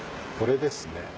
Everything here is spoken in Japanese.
これですね。